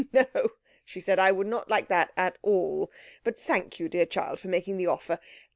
"No," she said. "I would not like that at all. But thank you, dear child, for making the offer.